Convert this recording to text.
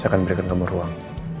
saya akan berikan kamu ruang